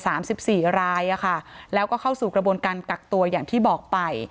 สามสิบสี่รายอ่ะค่ะแล้วก็เข้าสู่กระบวนการกักตัวอย่างที่บอกไป